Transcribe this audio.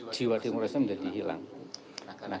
jiwa demokrasi menjadi hilang